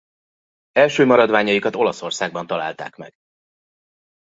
Első maradványaikat Olaszországban találták meg.